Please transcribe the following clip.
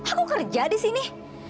aku kerja disini